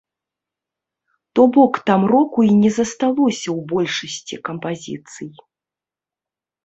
То бок там року і не засталося ў большасці кампазіцый.